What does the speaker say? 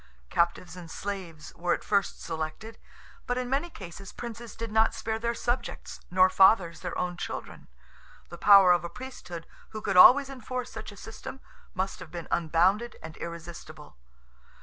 Captives and slaves were at first selected; but, in many cases, princes did not spare their subjects, nor fathers their own children. The power of a Priesthood, who could always enforce such a system, must have been unbounded and irresistible.